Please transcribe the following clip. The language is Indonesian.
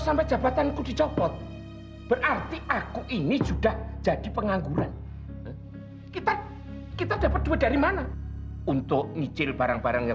sampai jumpa di video selanjutnya